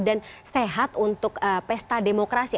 dan sehat untuk pesta demokrasi